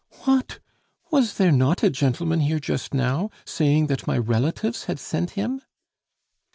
"What! was there not a gentleman here just now, saying that my relatives had sent him?"